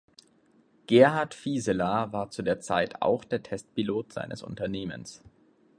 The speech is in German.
Gerhard Fieseler war zu der Zeit auch der Testpilot seines Unternehmens.